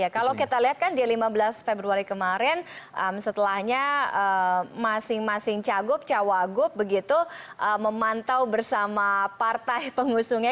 kalau kita lihat kan di lima belas februari kemarin setelahnya masing masing cagup cawagup begitu memantau bersama partai pengusungnya